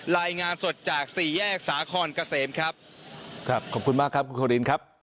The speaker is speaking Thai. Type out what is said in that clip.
รายงานสดจากสี่แยกสาคอนเกษมครับครับขอบคุณมากครับคุณโฆรินครับ